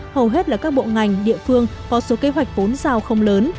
hầu hết là các bộ ngành địa phương có số kế hoạch vốn giao không lớn